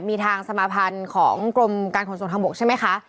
มีทางสมาธารกรมการขนส่วนทางบกใช่ไหมคะ